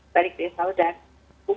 tarik dari sel dan buka